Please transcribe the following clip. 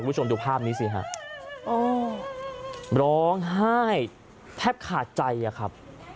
คุณผู้ชมดูภาพนี้สิฮะร้องไห้แทบขาดใจอะครับ